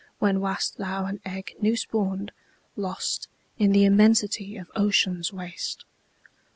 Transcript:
When wast thou an egg new spawn'd, Lost in the immensity of ocean's waste?